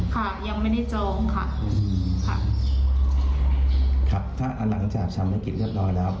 ค่ะยังไม่ได้จองค่ะค่ะครับถ้าอันหลังจากชามกิจเรียบร้อยแล้ว